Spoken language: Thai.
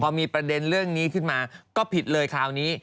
พอมีประเด็นเรื่องนี้ขึ้นมาก็ผิดเลยคราวนี้